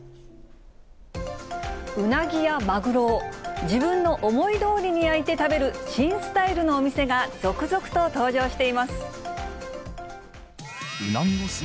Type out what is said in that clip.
うなぎやマグロを自分の思いどおりに焼いて食べる、新スタイルのお店が続々と登場しています。